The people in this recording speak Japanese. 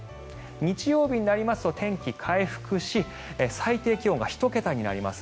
日曜日になりますと天気、回復し最低気温が１桁になります。